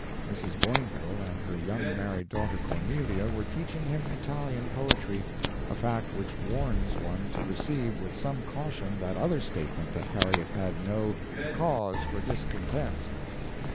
Mrs. Boinville and her young married daughter Cornelia were teaching him Italian poetry; a fact which warns one to receive with some caution that other statement that Harriet had no "cause for discontent."